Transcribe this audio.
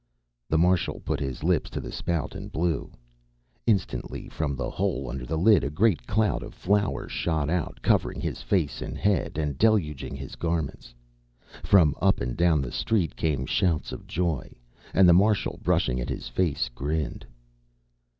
The Marshal put his lips to the spout and blew. Instantly, from the hole under the lid, a great cloud of flour shot out, covering his face and head, and deluging his garments. From up and down the street came shouts of joy, and the Marshal, brushing at his face, grinned.